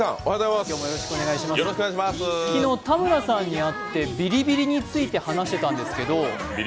昨日、田村さんに会ってビリビリについて話してました。